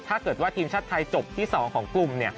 ถ้าเกิดว่าทีมชาติไทยจบที่๒ของกลุ่ม